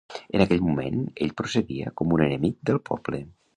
En aquell moment ell procedia com un enemic del poble.